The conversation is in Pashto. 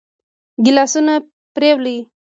ګيلاسونه پرېولي.